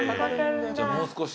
じゃあもう少し。